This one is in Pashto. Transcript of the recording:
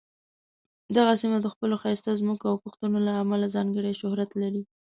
دغه سیمه د خپلو ښایسته ځمکو او کښتونو له امله ځانګړې شهرت لري.